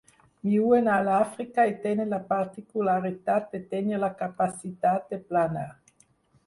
Viuen a l'Àfrica i tenen la particularitat de tenir la capacitat de planar.